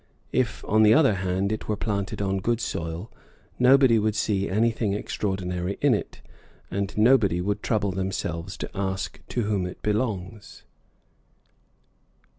If, on the other hand, it were planted on good soil, nobody would see anything extraordinary in it, and nobody would trouble themselves to ask to whom it belongs."